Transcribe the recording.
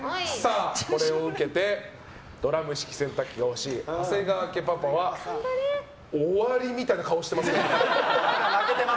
これを受けてドラム式洗濯機が欲しい長谷川家パパは終わりみたいな顔してますけど。